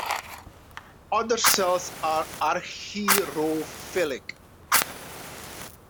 Other cells are "argyrophilic".